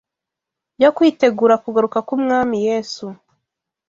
yo kwitegura kugaruka kw’Umwami Yesu